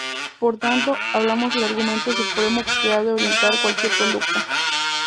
Por tanto, hablamos del argumento supremo que ha de orientar cualquier conducta.